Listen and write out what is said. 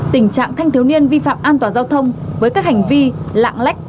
tình trạng thanh thiếu niên vi phạm an toàn giao thông với các hành vi lạng lách